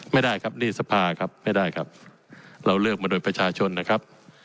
ไม่ได้ครับนี่สภาครับไม่ได้ครับเราเลือกมาโดยประชาชนนะครับ